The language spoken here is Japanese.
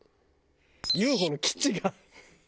「ＵＦＯの基地が」